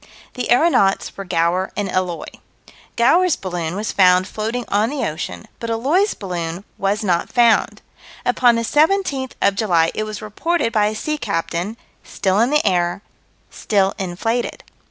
The aeronauts were Gower and Eloy. Gower's balloon was found floating on the ocean, but Eloy's balloon was not found. Upon the 17th of July it was reported by a sea captain: still in the air; still inflated.